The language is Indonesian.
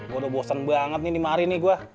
gua udah bosan banget nih lima hari nih gua